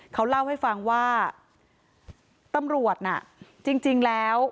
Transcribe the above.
เขาเล่าให้ฟังว่าตำรวจน่ะจริงแล้ว